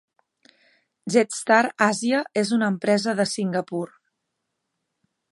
Jetstar Asia és una empresa de Singapur.